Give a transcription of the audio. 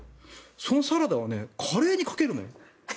そのサラダをカレーにかけるのよ。